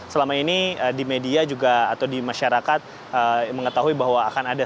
selama ini di media juga atau di masyarakat mengetahui bahwa akan ada